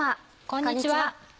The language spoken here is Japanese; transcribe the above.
こんにちは。